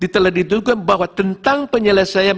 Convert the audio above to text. telah ditentukan bahwa tentang penyelesaian